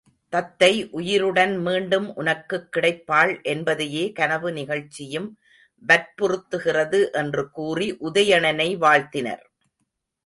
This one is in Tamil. தத்தை உயிருடன் மீண்டும் உனக்குப் கிடைப்பாள் என்பதையே கனவு நிகழ்ச்சியும் வற்புறுத்துகிறது என்று கூறி உதயணனை வாழ்த்தினர்.